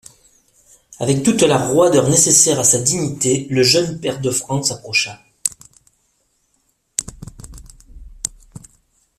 Avec toute la roideur nécessaire à sa dignité, le jeune pair de France approcha.